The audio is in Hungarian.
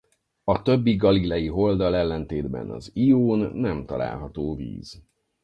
A többi Galilei-holddal ellentétben az Ión nem található víz.